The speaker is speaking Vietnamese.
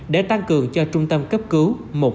để tăng cường cho trung tâm cấp cứu một một năm